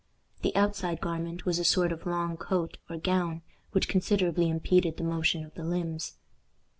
The outside garment was a sort of long coat or gown, which considerably impeded the motion of the limbs.